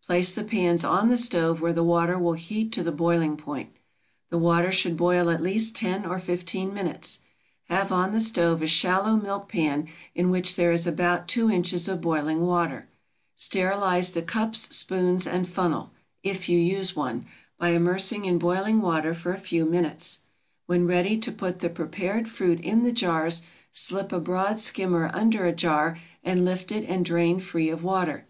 Place the pans on the stove where the water will heat to the boiling point. The water should boil at least ten or fifteen minutes. Have on the stove a shallow milk pan in which there is about 2 inches of boiling water. Sterilize the cups, spoons, and funnel, if you use one, by immersing in boiling water for a few minutes. When ready to put the prepared fruit in the jars slip a broad skimmer under a jar and lift it and drain free of water.